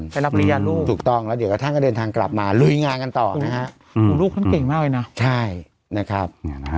ครับเหรียญลูกตลอดหาเดี๋ยวก่อนถ้าเตินทางกลับมาลวยงานกันต่อนะครับลูกตันเก่งมากเลยนะใช่นะครับ